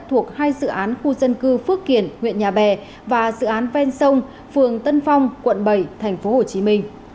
thuộc hai dự án khu dân cư phước kiển huyện nhà bè và dự án ven sông phường tân phong quận bảy tp hcm